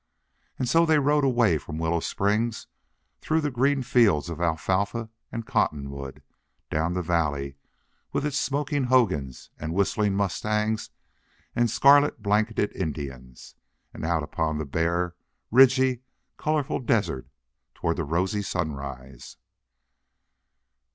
And so they rode away from Willow Springs, through the green fields of alfalfa and cotton wood, down the valley with its smoking hogans and whistling mustangs and scarlet blanketed Indians, and out upon the bare, ridgy, colorful desert toward the rosy sunrise.